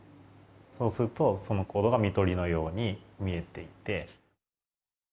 そうするとその行動が看取りのように見えていって。